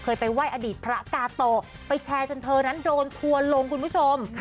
ไปไหว้อดีตพระกาโตไปแชร์จนเธอนั้นโดนทัวร์ลงคุณผู้ชม